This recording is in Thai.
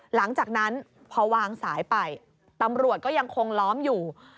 หลังจากนั้นพอวางสายไปตำรวจก็ยังคงล้อมอยู่